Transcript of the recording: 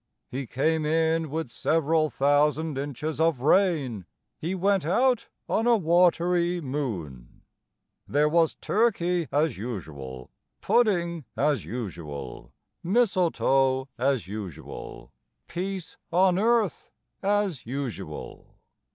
He came in with several thousand inches of rain; He went out on a watery moon. There was turkey as usual, Pudding as usual, Mistletoe as usual, Peace on earth as usual.